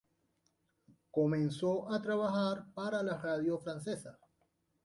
Comenzó a trabajar para la radio francesa.